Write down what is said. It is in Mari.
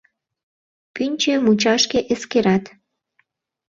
Пӱнчӧ мучашке эскерат.